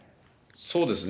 そうですね。